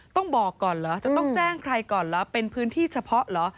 ต้องบอกก่อนเหรอจะต้องแจ้งใครก่อนเหรอเป็นพื้นที่เฉพาะเหรอ